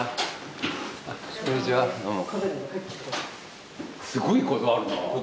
こんにちはどうも。